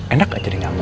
enak gak jadi ngambek